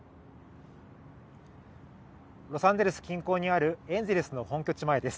ロサンゼルス近郊にあるエンゼルスの本拠地前です